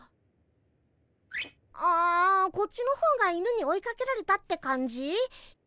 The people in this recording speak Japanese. あこっちの方が犬に追いかけられたって感じ。